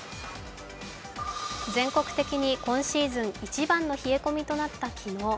全国的に今シーズン一番の冷え込みとなった昨日。